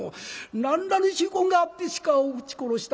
何らの意趣遺恨があって鹿を打ち殺した？